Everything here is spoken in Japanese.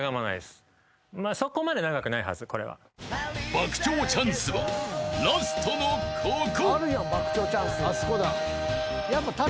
［爆釣チャンスはラストのここ］